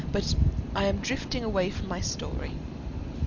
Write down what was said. But I am drifting away from my story.